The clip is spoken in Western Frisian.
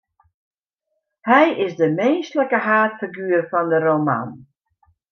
Hy is de minsklike haadfiguer fan de roman.